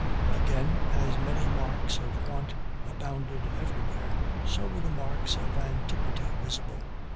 Again, as many marks of want abounded everywhere, so were the marks of antiquity visible.